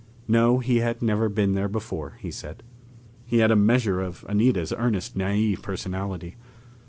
No, he had never been there before, he said. He had a measure of Anita's earnest naïve personality.